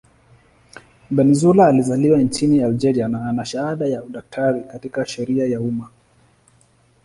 Bensaoula alizaliwa nchini Algeria na ana shahada ya udaktari katika sheria ya umma.